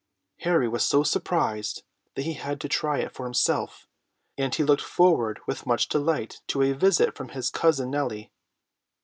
Harry was so surprised that he had to try it for himself, and he looked forward with much delight to a visit from his cousin Nellie.